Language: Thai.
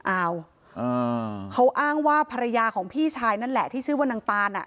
อ้าวเขาอ้างว่าภรรยาของพี่ชายนั่นแหละที่ชื่อว่านางตานอ่ะ